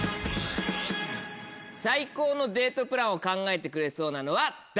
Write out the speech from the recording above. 最高のデートプランを考えてくれそうなのは誰？